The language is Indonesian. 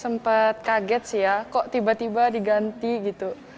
sempat kaget sih ya kok tiba tiba diganti gitu